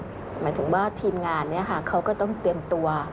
หมายถึงว่าทีมงานเขาก็ต้องเตรียมตัว